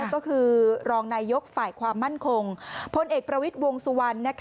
ก็คือรองนายยกฝ่ายความมั่นคงพลเอกประวิทย์วงสุวรรณ